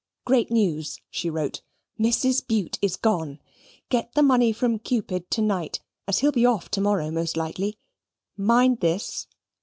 "Great news," she wrote. "Mrs. Bute is gone. Get the money from Cupid tonight, as he'll be off to morrow most likely. Mind this.